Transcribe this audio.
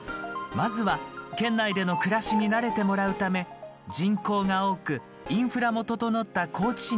まずは県内での暮らしに慣れてもらうため人口が多くインフラも整った高知市に移住します。